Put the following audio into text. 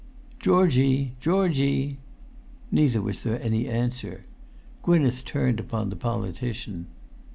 "Georgie! Georgie!" Neither was there any answer. Gwynneth turned upon the politician.